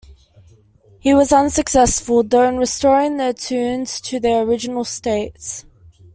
He was unsuccessful, though, in restoring the tunes to their original states.